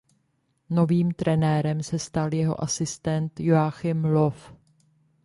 Novým trenérem se stal jeho asistent Joachim Löw.